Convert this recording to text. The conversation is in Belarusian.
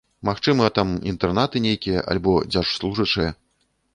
Магчыма, там інтэрнаты нейкія, альбо дзяржслужачыя.